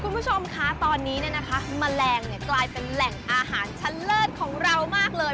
คุณผู้ชมค่ะตอนนี้แมลงกลายเป็นแหล่งอาหารใช่หรือไม่ใช่